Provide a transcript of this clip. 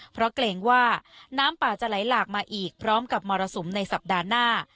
เพราะเกรงว่าน้ำป่าจะไหลหลากมาอีกพร้อมกับมรสุมในสัปดาห์หน้า